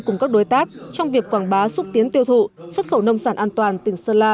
cùng các đối tác trong việc quảng bá xúc tiến tiêu thụ xuất khẩu nông sản an toàn tỉnh sơn la